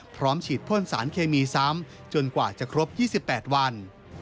พร้อมฉีดพ่นสารเคมีซ้ำจนกว่าจะครบ๒๘วัน